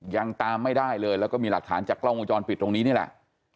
ยังตามไม่ได้เลยแล้วก็มีหลักฐานจากกล้องวงจรปิดตรงนี้นี่แหละ